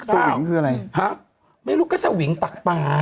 สองคืออะไรฮะไม่รู้ก็สวิงตักปลา